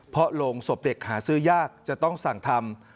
เพราะโรงศพเด็กหาซื้อยากจะต้องสั่งทำ